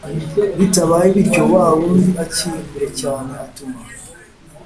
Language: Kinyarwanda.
Bitabaye bityo wa wundi akiri kure cyane atuma